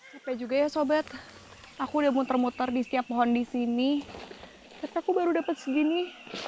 sampai juga ya sobat aku udah muter muter di setiap pohon disini aku baru dapet segini